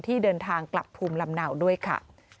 ที่เดินทางกลับภูมิลำเนาด้วยค่ะ